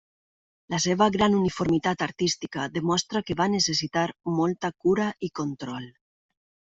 La seva gran uniformitat artística demostra que va necessitar molta cura i control.